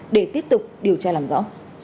để tiếp tục điều tra làm rõ